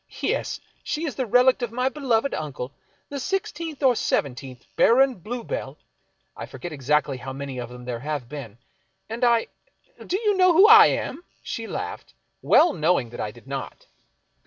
Yes. She is the relict of my beloved uncle, the sixteenth or seventeenth Baron Bluebell — I forget exactly how many of them there have been. And I — do you know who I am ?" She laughed, well knowing that I did not.